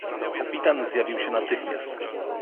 "Kapitan zjawił się natychmiast."